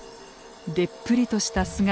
でっぷりとした姿。